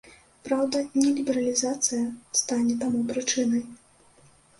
Праўда, не лібералізацыя стане таму прычынай.